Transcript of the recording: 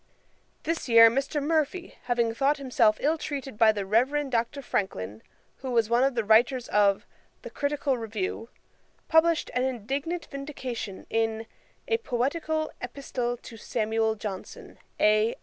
This year Mr. Murphy, having thought himself ill treated by the Reverend Dr. Francklin, who was one of the writers of The Critical Review, published an indignant vindication in _A Poetical Epistle to Samuel Johnson, A.